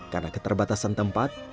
karena keterbatasan tempat